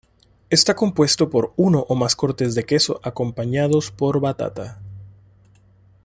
Está compuesto por uno o más cortes de queso, acompañados por batata.